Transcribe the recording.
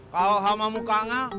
kalau sama mukanya